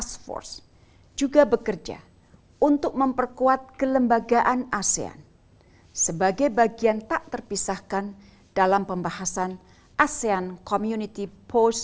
agar high level task force juga bekerja untuk memperkuat kelembagaan asean sebagai bagian tak terpisahkan dalam pembahasan asean community post dua ribu dua puluh lima vision